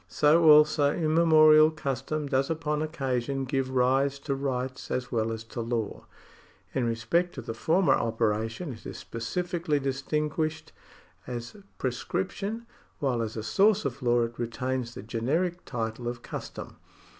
So also immemorial custom does upon occasion give rise to rights as well as to law. § 48] THE SOURCES OF LAW 125 In respoct of tlu> former operation, it is specifically distinguished as pre scription, while as a source of law it retains the generic title of custom.